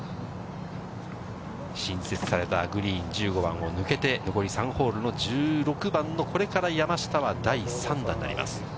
新設されたグリーン１５番を抜けて、残り３ホールの１６番のこれから山下は第３打になります。